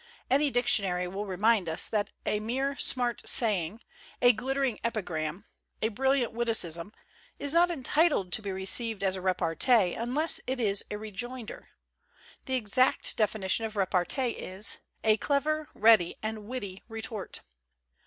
Any dictionary will remind us that a mere smart saying, a glittering epigram, a brilliant witticism, is not entitled to be received as a repartee unless it is a rejoinder. The exact definition of repartee is "a clever, ready, and witty retort."